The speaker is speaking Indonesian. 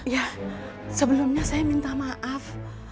ya sebelumnya saya minta maaf